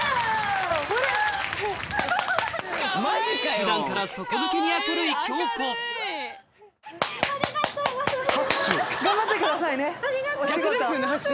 普段から底抜けに明るい京子ありがとうございます。